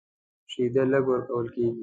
شیدې لږ ورکول کېږي.